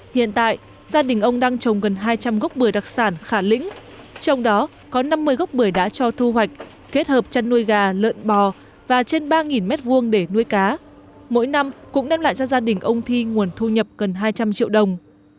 hiện tại gia đình ông đang trồng gần hai trăm linh gốc bưởi đặc sản khả lĩnh trong đó có năm mươi gốc bưởi đã cho thu hoạch kết hợp chăn nuôi gà lợn bò và trên ba m hai để nuôi cá mỗi năm cũng đem lại cho gia đình ông thi nguồn thu nhập gần hai trăm linh triệu đồng